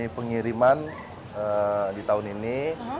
iya ini pengiriman di tahun ini